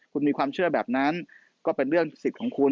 คุณมีความเชื่อแบบนั้นก็เป็นเรื่องสิทธิ์ของคุณ